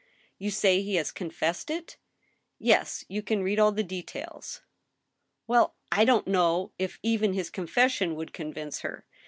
. You say he has confessed it ?" "Yes, you can read all the details." " Well I I don't know if even his confession would convince her.